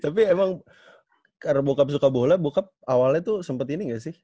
tapi emang karena bokap suka bola bokap awalnya tuh sempet ini gak sih